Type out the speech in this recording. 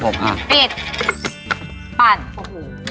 ครับผมค่ะปิดปั่นโอ้โห